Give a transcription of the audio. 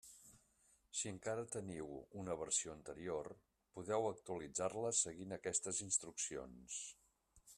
Si encara teniu una versió anterior, podeu actualitzar-la seguint aquestes instruccions.